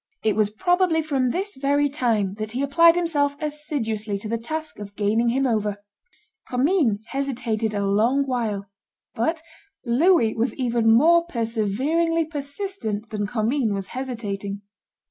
It was probably from this very time that he applied himself assiduously to the task of gaining him over. Commynes hesitated a long while; but Louis was even more perseveringly persistent than Commynes was hesitating.